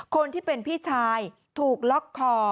คนที่เป็นพี่ชายถูกล็อกคอ